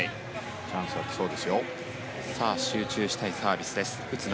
チャンスが来そうですよ。